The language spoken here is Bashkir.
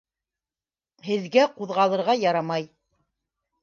Һеҙгә ҡуҙғалырға ярамай.